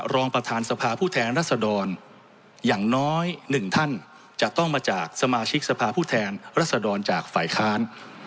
รองประธานสภาผู้แทนรัศดรอย่างน้อยหนึ่งท่านจะต้องมาจากสมาชิกสภาพผู้แทนรัศดรจากฝ่ายค้าน